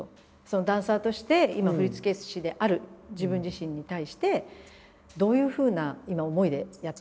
ダンサーとして今振付師である自分自身に対してどういうふうな今思いでやって？